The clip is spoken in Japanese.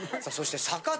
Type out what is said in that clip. さあそして。